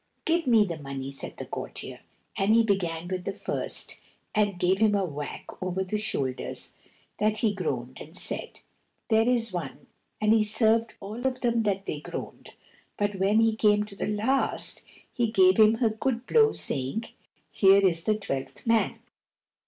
"Give me the money," said the courtier; and he began with the first, and gave him a whack over the shoulders that he groaned, and said, "There is one," and he served all of them that they groaned; but when he came to the last he gave him a good blow, saying, "Here is the twelfth man."